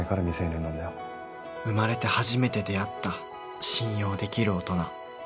生まれて初めて出会った信用できる大人